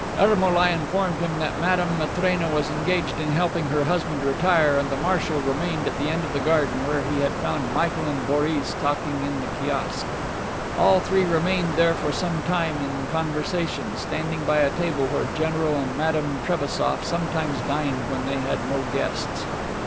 Ermolai informed him that Madame Matrena was engaged in helping her husband retire, and the marshal remained at the end of the garden where he had found Michael and Boris talking in the kiosque. All three remained there for some time in conversation, standing by a table where General and Madame Trebassof sometimes dined when they had no guests.